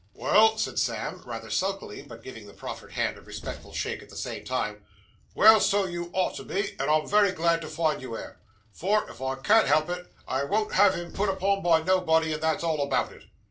'Well,' said Sam, rather sulkily, but giving the proffered hand a respectful shake at the same time 'well, so you ought to be, and I am very glad to find you air; for, if I can help it, I won't have him put upon by nobody, and that's all about it.